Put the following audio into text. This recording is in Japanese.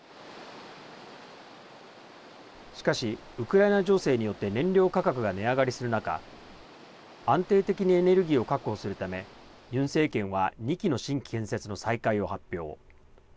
しかし、ウクライナ情勢によって燃料価格が値上がりする中安定的にエネルギーを確保するためユン政権は２基の新規建設の再開を発表。